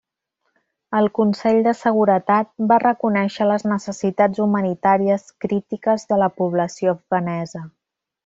El Consell de Seguretat va reconèixer les necessitats humanitàries crítiques de la població afganesa.